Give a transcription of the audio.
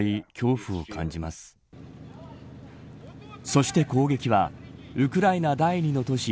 そして攻撃はウクライナ第２の都市